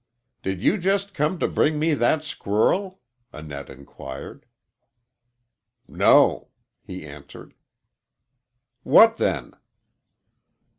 "Did you just come to bring me that squirrel?" Annette inquired. "No," he answered. "What then?"